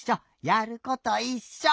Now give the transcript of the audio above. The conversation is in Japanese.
やることいっしょ。